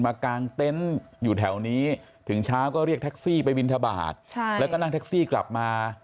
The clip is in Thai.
กางเต็นต์อยู่แถวนี้ถึงเช้าก็เรียกแท็กซี่ไปบินทบาทแล้วก็นั่งแท็กซี่กลับมา